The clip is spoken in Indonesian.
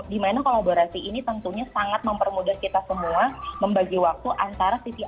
di mana kolaborasi ini tentunya sangat mempermudah kita semua membagi waktu antara sisi akademisi